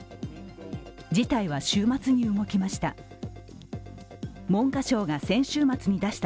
事態は週末に動きました。